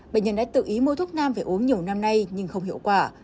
bệnh nhân đã tự ý mua thuốc nam về uống nhiều năm nay nhưng không hiệu quả